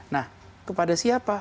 nah kepada siapa